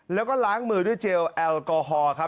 แล้วก็ล้างมือด้วยเจลแอลกอฮอล์ครับ